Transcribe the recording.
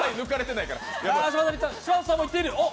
柴田さんもいっている！